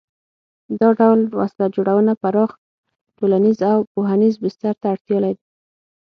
دا ډول وسله جوړونه پراخ ټولنیز او پوهنیز بستر ته اړتیا لري.